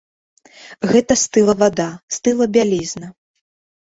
Гэта стыла вада, стыла бялізна.